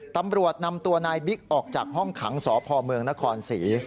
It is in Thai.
ตำรวจนำตัวนายบิ๊กออกจากห้องขังสพเมืองนครศรี